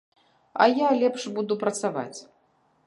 А я лепш буду працаваць.